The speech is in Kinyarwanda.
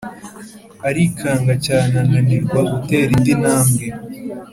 arikanga cyane ananirwa gutera indi ntambwe.